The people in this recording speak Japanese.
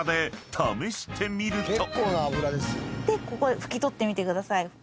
ここ拭き取ってみてください。